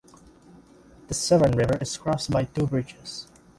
The Severn River is crossed by two bridges.